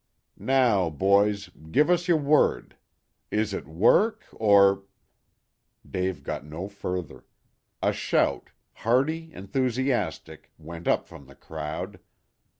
Now, boys, give us your word. Is it work or " Dave got no further. A shout hearty, enthusiastic went up from the crowd.